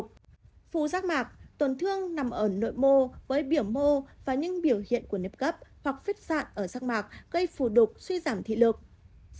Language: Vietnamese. phù rắc mạc tổn thương nằm ở nội mô với biểu mô và những biểu hiện của nếp gấp hoặc phít sạn ở rắc mạc gây phù đục suy giảm thị lực